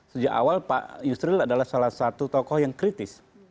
sejak awal pak yusril adalah salah satu tokoh yang kritis